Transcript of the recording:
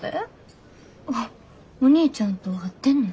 おお兄ちゃんと会ってんの？